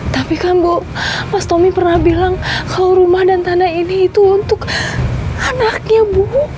tapi kan bu mas tommy pernah bilang kalau rumah dan tanah ini itu untuk anaknya bu